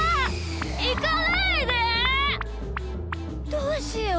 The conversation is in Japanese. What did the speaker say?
どうしよう。